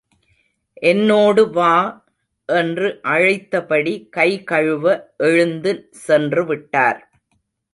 என்னோடு வா! என்று அழைத்தபடி கை கழுவ எழுந்து, சென்று விட்டார்.